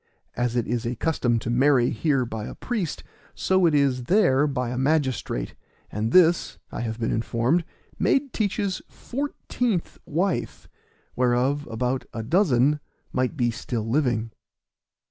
As it is a custom to marry here by a priest, so it is there by a magistrate; and this, I have been informed, made Teach's fourteenth wife whereof about a dozen might be still living.